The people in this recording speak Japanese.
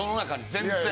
全然。